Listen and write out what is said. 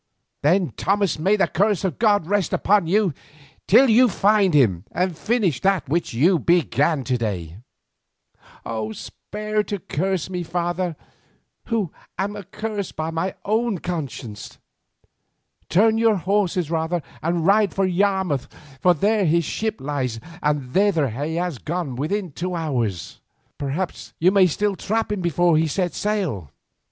Then, Thomas, may the curse of God rest upon you till you find him and finish that which you began to day." "Spare to curse me, father, who am accursed by my own conscience. Turn your horses rather and ride for Yarmouth, for there his ship lies and thither he has gone with two hours' start. Perhaps you may still trap him before he sets sail."